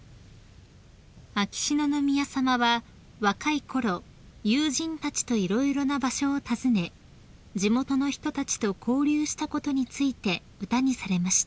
［秋篠宮さまは若いころ友人たちと色々な場所を訪ね地元の人たちと交流したことについて歌にされました］